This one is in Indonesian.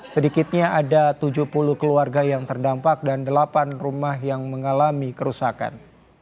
sedikitnya ada tujuh puluh keluarga yang terdampak dan delapan rumah yang mengalami kerusakan